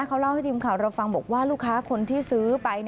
เขาเล่าให้ทีมข่าวเราฟังบอกว่าลูกค้าคนที่ซื้อไป